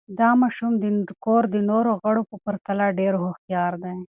دا ماشوم د کور د نورو غړو په پرتله ډېر هوښیار دی.